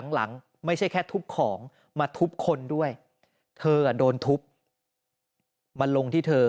หลังไม่ใช่แค่ทุบของมาทุบคนด้วยเธอโดนทุบมาลงที่เธอ